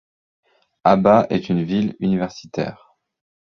Aba est une ville universitaire.